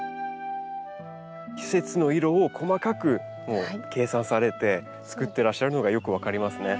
季節の色を細かく計算されてつくってらっしゃるのがよく分かりますね。